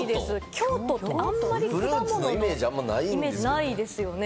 京都はあんまり果物のイメージないですよね。